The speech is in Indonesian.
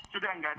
sudah enggak ada